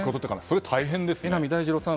それは大変ですね。